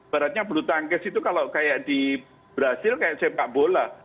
baratnya bulu tangkis itu kalau kayak di brazil kayak sepak bola